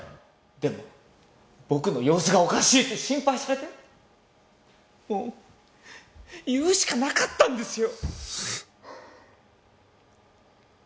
「でも僕の様子がおかしいって心配されてもう言うしかなかったんですよ！」